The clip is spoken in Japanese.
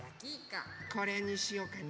これにしようかな。